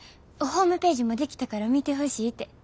ホームページも出来たから見てほしいて。